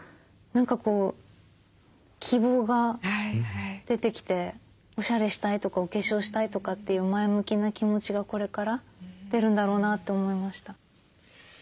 何かこう希望が出てきておしゃれしたいとかお化粧したいとかっていう前向きな気持ちがこれから出るんだろうなと思いました。